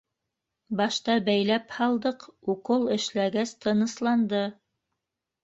Башта бәйләп һалдыҡ, укол эшләгәс, тынысланды.